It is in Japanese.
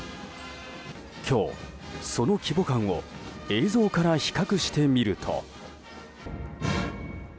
今日、その規模感を映像から比較してみると。